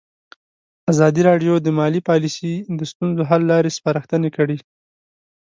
ازادي راډیو د مالي پالیسي د ستونزو حل لارې سپارښتنې کړي.